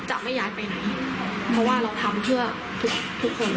จะไม่ย้ายไปไหนเพราะว่าเราทำเพื่อทุกทุกคน